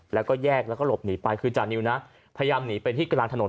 แล้วก็แยกแล้วก็หลบหนีไปคือจานิวนะพยายามหนีไปที่กลางถนน